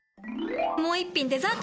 もう一品デザート！